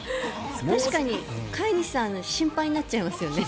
確かに、飼い主さん心配になっちゃいますね。